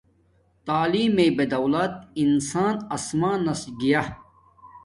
تعیلم مݵݵ بدولت انسان اسمان نس گیا